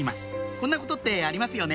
こんなことってありますよね